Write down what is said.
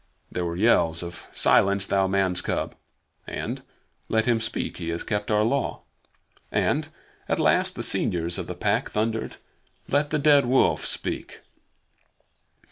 There were yells of "Silence, thou man's cub!" "Let him speak. He has kept our Law"; and at last the seniors of the Pack thundered: "Let the Dead Wolf speak."